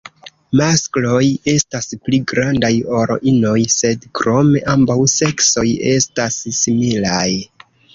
Maskloj estas pli grandaj ol inoj, sed krome ambaŭ seksoj estas similaj.